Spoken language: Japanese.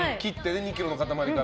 ２ｋｇの塊から。